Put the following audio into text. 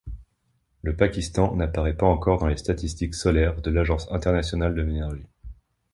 Le Pakistan n'apparait pas encore dans les statistiques solaires de l'Agence internationale de l'énergie.